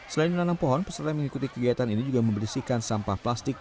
selain menanam pohon peserta yang mengikuti kegiatan ini juga membersihkan sampah plastik